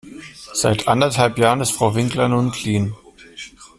Seit anderthalb Jahren ist Frau Winkler nun clean.